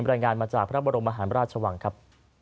รายงานมาจากพระบรมมหาราชวังครับ